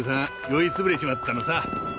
酔いつぶれちまったのさ。